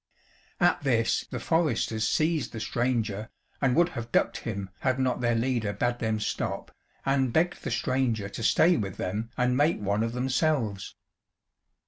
At this the foresters seized the stranger, and would have ducked him had not their leader bade them stop, and begged the stranger to stay with them and make one of themselves.